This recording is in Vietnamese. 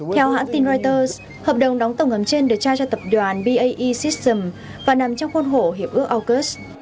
theo hãng tin reuters hợp đồng đóng tàu ngầm trên được trao cho tập đoàn bae system và nằm trong khuôn khổ hiệp ước aukus